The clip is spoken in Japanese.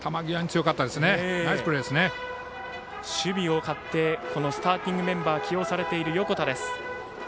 守備を買ってスターティングメンバーに起用されている横田です。